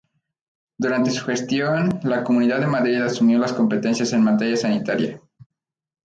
Durante su gestión la Comunidad de Madrid asumió las competencias en materia sanitaria.